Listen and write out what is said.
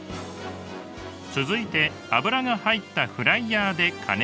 続いて油が入ったフライヤーで加熱。